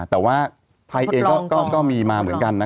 แต่ว่าไทยเองก็มีมาเหมือนกัน